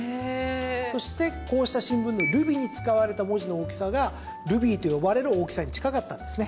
そして、こうした新聞のルビに使われた文字の大きさがルビーと呼ばれる大きさに近かったんですね。